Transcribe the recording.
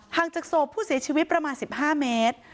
จากศพผู้เสียชีวิตประมาณ๑๕เมตร